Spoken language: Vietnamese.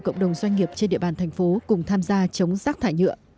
cộng đồng doanh nghiệp trên địa bàn thành phố cùng tham gia chống rác thải nhựa